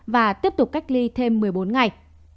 và tiếp tục cách ly thêm một mươi bốn ngày